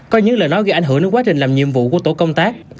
coi như là nó gây ảnh hưởng đến quá trình làm nhiệm vụ của tổ công tác